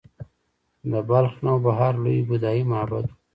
د بلخ نوبهار لوی بودايي معبد و